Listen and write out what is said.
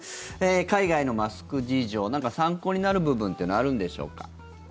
海外のマスク事情なんか参考になる部分というのはあるんでしょうか。